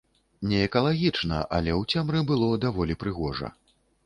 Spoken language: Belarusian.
Неэкалагічна, але ў цемры было даволі прыгожа.